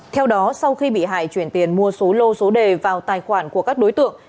theo đó sau khi bị hại chuyển tiền mua số lô số đề vào tài khoản của các đối tượng